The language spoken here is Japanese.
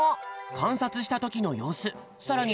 かんさつしたときのようすさらに